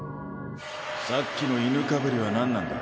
さっきのイヌかぶりは何なんだ？